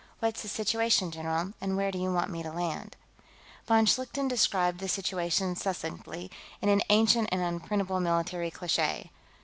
"What's the situation, general, and where do you want me to land?" Von Schlichten described the situation succinctly, in an ancient and unprintable military cliche.